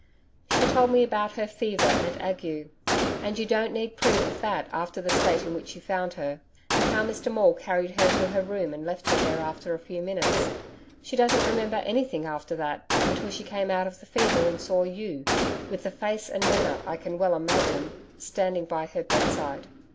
She told me about her fever and ague you don't need proof of that after the state in which you found her and how Mr Maule carried her to her room and left her there after a few minutes. She doesn't remember anything after that, until she came out of the fever and saw you with the face and manner I can well imagine standing by her bedside.